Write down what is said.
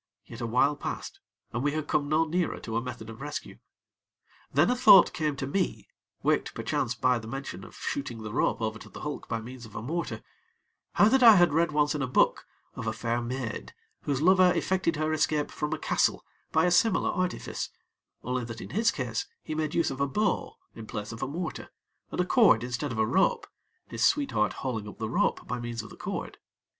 Yet, a while passed, and we had come no nearer to a method of rescue. Then a thought came to me (waked perchance by the mention of shooting the rope over to the hulk by means of a mortar) how that I had read once in a book, of a fair maid whose lover effected her escape from a castle by a similar artifice, only that in his case he made use of a bow in place of a mortar, and a cord instead of a rope, his sweetheart hauling up the rope by means of the cord.